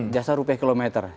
jasa rupiah kilometer